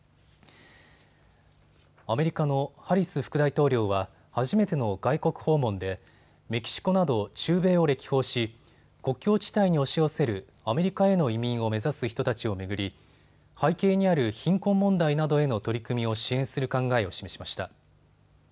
アメリカのハリス副大統領は初めての外国訪問でメキシコなど中米を歴訪し国境地帯に押し寄せるアメリカへの移民を目指す人たちを巡り背景にある貧困問題などへの取り組みを支援する考えを示しました。